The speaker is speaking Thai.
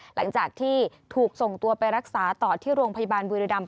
หลังจากที่ถูกส่งตัวไปรักษาต่อที่โรงพยาบาลบุรีรำ